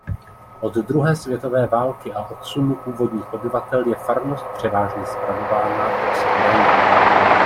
Od druhé světové války a odsunu původních obyvatel je farnost převážně spravována excurrendo.